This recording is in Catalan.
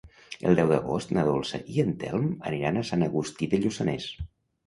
El deu d'agost na Dolça i en Telm aniran a Sant Agustí de Lluçanès.